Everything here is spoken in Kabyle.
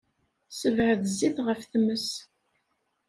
Sebɛed zzit ɣef tmes.